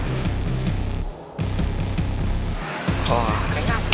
itu bukannya ian sama dado